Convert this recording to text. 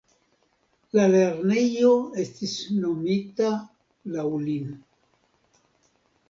La lernejo estis nomita laŭ lin.